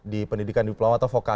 di pendidikan diploma atau vokasi